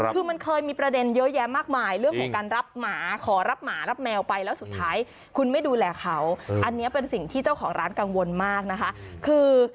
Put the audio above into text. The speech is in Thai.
คือมันเคยมีประเด็นเยอะแยะมากมายเรื่องของการรับหมาขอรับหมารับแมวไปแล้วสุดท้ายคุณไม่ดูแลเขาอันนี้เป็นสิ่งที่เจ้าของร้านกังวลมากนะคะคือ